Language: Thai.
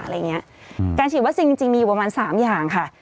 อะไรอย่างนี้การฉีดวัคซีนจริงมีอยู่ประมาณสามอย่างค่ะ